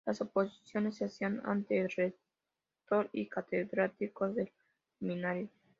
Las oposiciones se hacían ante el rector y catedráticos del seminario.